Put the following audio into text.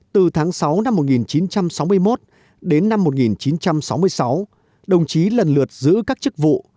từ tháng sáu năm một nghìn chín trăm sáu mươi một đến năm một nghìn chín trăm sáu mươi sáu đồng chí lần lượt giữ các chức vụ